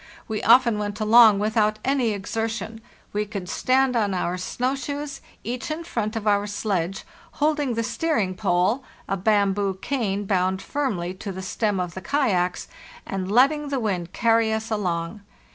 We often went along without any exertion; we could stand on our snow shoes, each in front of our sledge, holding the steer ing pole (a bamboo cane bound firmly to the stem of the kayaks) and letting the wind carry us along.